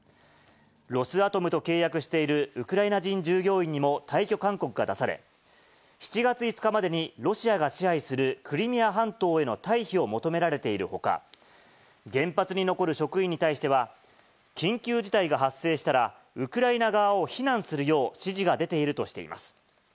ロスアトムと契約しているウクライナ人従業員にも退去勧告が出され、７月５日までにロシアが支配するクリミア半島への退避を求められているほか、原発に残る職員に対しては、緊急事態が発生したら、ウクライナ側を非難するよう指示が出ているとしています。